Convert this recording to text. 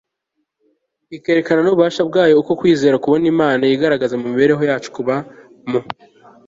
ikerekana n'ububasha bwayo.uko kwizera kubona imana yigaragaza mu mibereho yacu, kuba mu